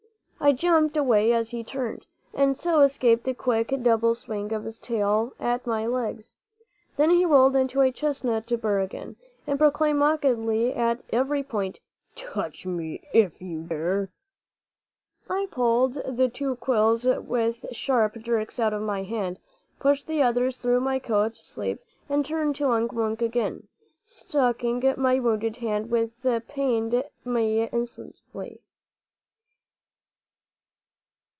I jumped away as he turned, and so escaped the quick double swing of his tail at my legs. Then he rolled into a chestnut bur again, and proclaimed mockingly at every point: "Touch me if you dare!" I pulled the two quills with sharp jerks out of my hand, pushed all the others through my coat sleeve, and turned to Unk Wunk again, sucking my wounded hand, which pained me intensely.